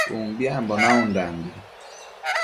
Umbiambo naundambi